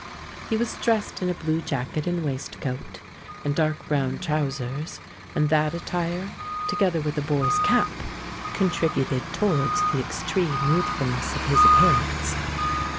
He was dressed in a blue jacket and waistcoat, and dark brown trousers; and that attire, together with a boy's cap, contributed towards the extreme youthfulness of his appearance.